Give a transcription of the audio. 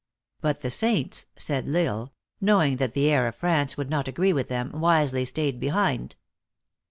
"But the saints," said L Isle, "knowing that the air of France would not agree with them, wisely staid behind."